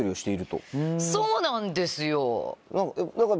そうなんですよ。何か。